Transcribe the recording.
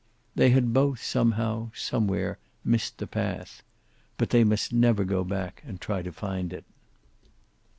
They had both, somehow, somewhere, missed the path. But they must never go back and try to find it.